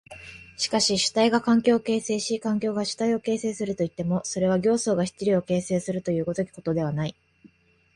しかし主体が環境を形成し環境が主体を形成するといっても、それは形相が質料を形成するという如きことではない。